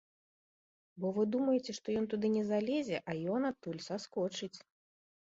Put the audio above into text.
Бо вы думаеце, што ён туды не залезе, а ён адтуль саскочыць.